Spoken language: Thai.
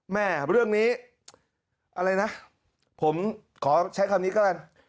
แม่เรื่องนี้อะไรนะผมขอใช้คำนี้ก็แล้วกัน